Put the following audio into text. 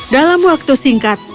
dalam waktu singkat